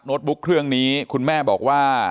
บุ๊กเครื่องนี้คุณแม่บอกว่า